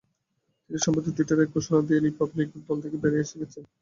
তিনি সম্প্রতি টুইটারে এক ঘোষণা দিয়ে রিপাবলিকান দল থেকে বেরিয়ে গেছেন।